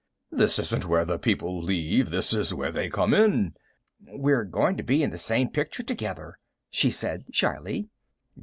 "This isn't where the people leave. This is where they come in!" "We're going to be in the same picture together," she said shyly.